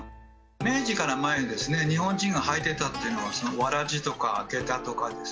明治から前にですね日本人が履いてたっていうのは草鞋とか下駄とかですね